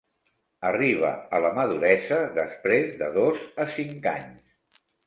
Arriba a la maduresa després de dos a cinc anys.